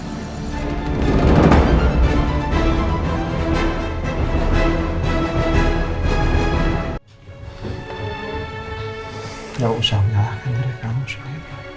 gak usah menyalahkan diri kamu soeba